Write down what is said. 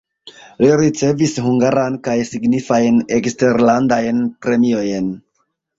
Li ricevis hungaran kaj signifajn eksterlandajn premiojn.